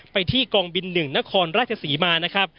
ไปที่กองบิน๑นครรักษาศรีมา